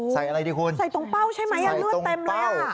ใส่ตรงเป้าใช่ไหมอันเลือดเต็มเลย